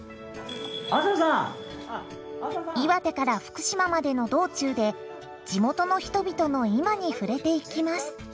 岩手から福島までの道中で地元の人々の今に触れていきます。